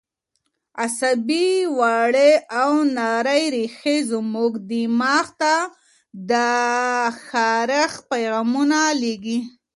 عصبي وړې او نرۍ رېښې زموږ دماغ ته د خارښ پیغامونه لېږي.